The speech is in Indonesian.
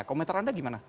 komentar anda gimana